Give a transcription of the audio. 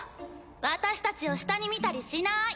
私たちを下に見たりしない。